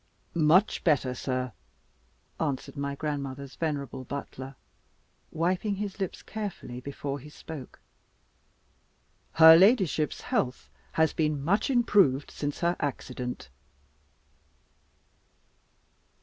"Much better, sir," answered my grandmother's venerable butler, wiping his lips carefully before he spoke; "her ladyship's health has been much improved since her accident."